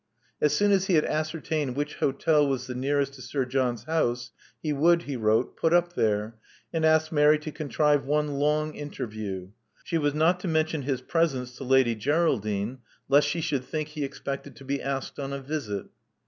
As soon as he had ascertained which hotel was the nearest to Sir John's house, he would, he wrote, put up there, and ask Mary to contrive one long interview. She was not to mention his presence to Lady Geraldine, lest she should think he expected to be asked on a visit.